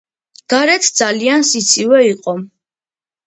გარეთ ძალიან სიცივე იყო